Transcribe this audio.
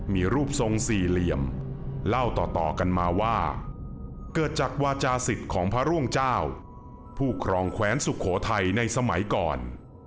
มีรูปทรงสี่เหลี่ยมเล่าต่อกันมาว่าเกิดจากวาจาศิษย์ของพระร่วงเจ้าผู้ครองแขวนสุโขทัยในสมัยก่อน